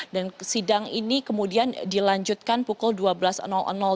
dan sidang ini kemudian dilanjutkan pukul dua belas